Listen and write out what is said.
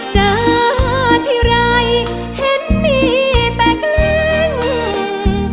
เจอทีไรเห็นมีแต่กลิ้ง